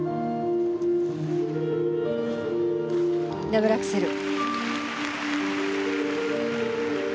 ダブルアクセル。